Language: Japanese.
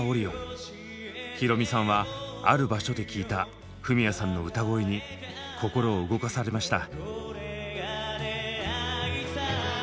ヒロミさんはある場所で聴いたフミヤさんの歌声に心を動かされました。